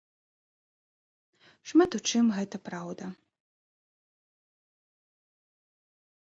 Шмат у чым гэта праўда.